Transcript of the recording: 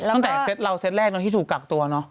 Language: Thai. ตั้งแต่เราเซตแรกตอนที่ถูกกักตัวเนอะ